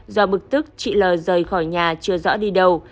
do bực tức chị l rời khỏi nhà chưa rõ đi đầu